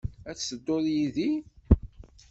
Ad tedduḍ yid-i?